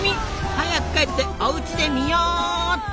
早く帰っておうちで見よっと！